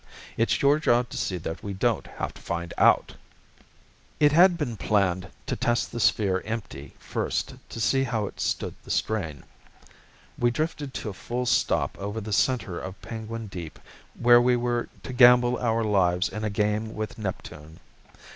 It's your job to see that we don't have to find out!" It had been planned to test the sphere empty first to see how it stood the strain. We drifted to a full stop over the center of Penguin Deep where we were to gamble our lives in a game with Neptune.